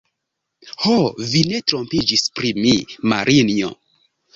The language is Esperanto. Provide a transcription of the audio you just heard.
Ho, vi ne trompiĝis pri mi, Marinjo!